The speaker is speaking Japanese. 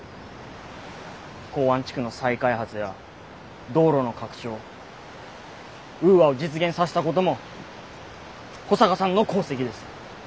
港湾地区の再開発や道路の拡張ウーアを実現させたことも保坂さんの功績です。